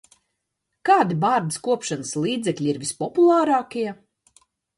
Kādi bārdas kopšanas līdzekļi ir vispopulārākie?